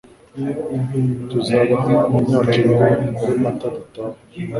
Tuzaba hano imyaka ibiri muri Mata dutahe